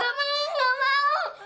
bapak enggak mau